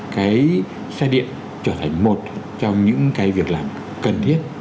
cái xe điện trở thành một trong những cái việc làm cần thiết